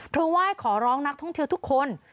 ไหว้ขอร้องนักท่องเที่ยวทุกคน